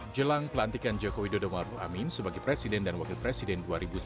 jelang pelantikan jokowi dodomaruf amin sebagai presiden dan wakil presiden dua ribu sembilan belas